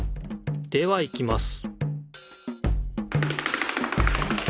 ではいきます